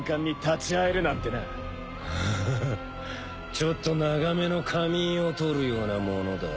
ちょっと長めの仮眠をとるようなものだ。